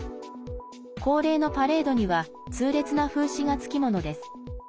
恒例のパレードには痛烈な風刺が付き物です。